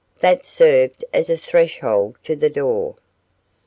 that served as a threshold to the door.